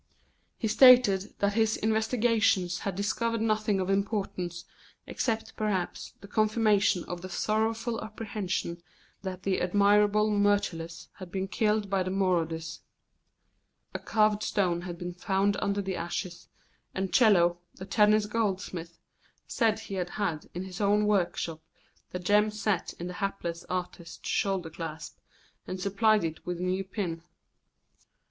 He stated that his investigations had discovered nothing of importance, except, perhaps, the confirmation of the sorrowful apprehension that the admirable Myrtilus had been killed by the marauders. A carved stone had been found under the ashes, and Chello, the Tennis goldsmith, said he had had in his own workshop the gem set in the hapless artist's shoulder clasp, and supplied it with a new pin.